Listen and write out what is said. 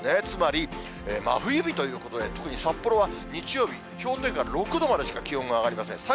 つまり、真冬日ということで、特に札幌は日曜日、氷点下６度までしか気温が上がりません。